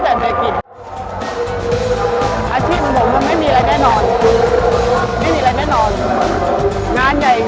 ไม่มีคนดูก็มี